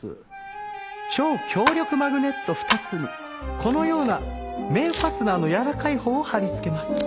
超強力マグネット２つにこのような面ファスナーのやわらかいほうを貼り付けます。